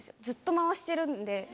ずっと回してるので。